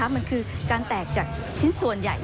มันคือการแตกจากชิ้นส่วนใหญ่